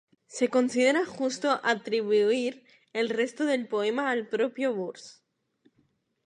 Se considera justo atribuir el resto del poema al propio Burns.